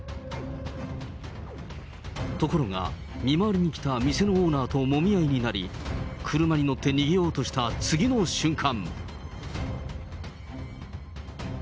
ところが、見回りに来た店のオーナーともみ合いになり、車に乗って逃げようとした次の瞬間。